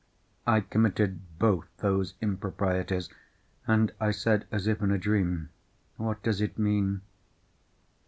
I committed both those improprieties. And I said, as if in a dream, "What does it mean?"